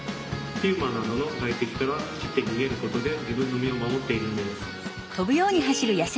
ピューマなどの外敵から走って逃げることで自分の身を守っているんです。